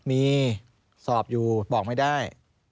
มีสอบอยู่บอกไม่ได้